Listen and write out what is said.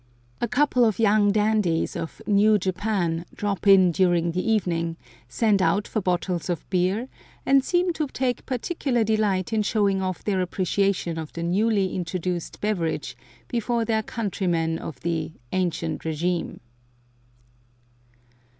A couple of young dandies of "New Japan" drop in during the evening, send out for bottles of beer, and seem to take particular delight in showing off their appreciation of the newly introduced beverage before their countrymen of the "ancient regime."